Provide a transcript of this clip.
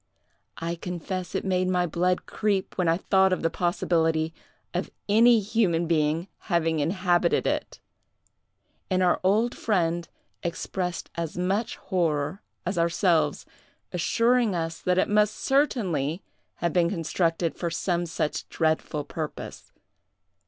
I confess it made my blood creep when I thought of the possibility of any human being having inhabited it! And our old friend expressed as much horror as ourselves, assuring us that it must certainly have been constructed for some such dreadful purpose.